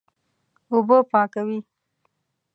اوبه پاکوي.